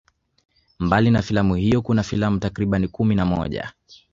Mbali na filamu hiyo kuna filamu takribani kumi na moja